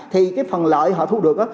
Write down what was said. thì cái phần lợi họ thu được